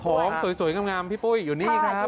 สวยงามพี่ปุ้ยอยู่นี่ครับ